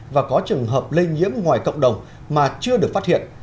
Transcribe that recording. và có trường hợp lây nhiễm ngoài cộng đồng mà chưa được phát hiện